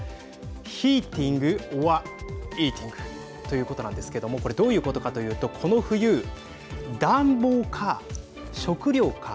ヒーティングオアイーティングということなんですけれどもどういうことなのかというとこの冬暖房か食料か。